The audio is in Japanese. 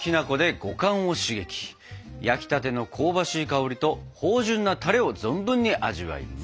焼きたての香ばしい香りと芳じゅんなたれを存分に味わいます！